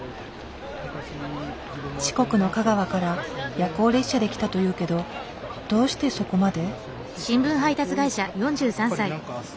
四国の香川から夜行列車で来たというけどどうしてそこまで？